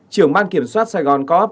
trưởng ban kiểm soát sài gòn co op